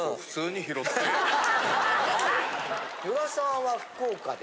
与田さんは福岡で？